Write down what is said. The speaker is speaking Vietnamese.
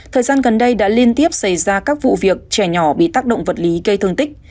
thời gian gần đây đã liên tiếp xảy ra các vụ việc trẻ nhỏ bị tác động vật lý gây thương tích